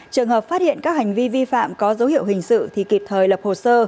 trường hợp phát hiện các hành vi vi phạm có dấu hiệu hình sự thì kịp thời lập hồ sơ